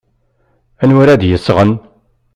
Anwa ara d-yesɣen?